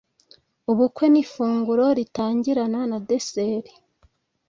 Ubukwe ni ifunguro ritangirana na desert.